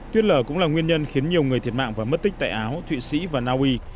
tuyết lở cũng là nguyên nhân khiến nhiều người thiệt mạng và mất tích tại áo thụy sĩ và naui